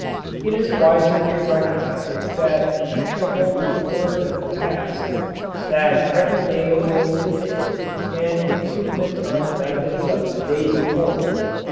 It is wiser to recognize that the future holds more than the past that every day holds within it an improvement on the methods of the day before.